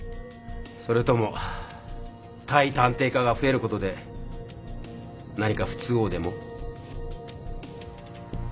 それとも対探偵課が増えることで何か不都合でも？